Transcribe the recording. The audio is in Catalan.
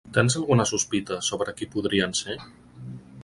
Tens alguna sospita sobre qui podrien ser?